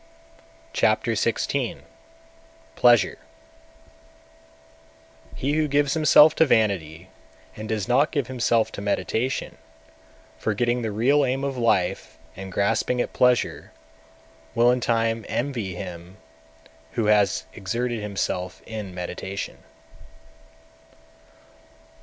Chapter XVI. Pleasure 209. He who gives himself to vanity, and does not give himself to meditation, forgetting the real aim (of life) and grasping at pleasure, will in time envy him who has exerted himself in meditation.